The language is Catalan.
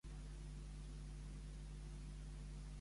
I d'on va sorgir el llinatge amb què es consagrà com a artista?